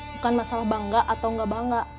bukan masalah bangga atau nggak bangga